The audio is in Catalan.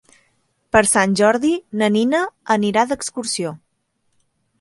Per Sant Jordi na Nina anirà d'excursió.